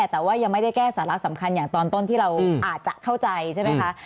แต่ว่ายังไม่ได้แก้สาระสำคัญอย่างตอนต้นที่เราอาจจะเข้าใจใช่ไหมคะ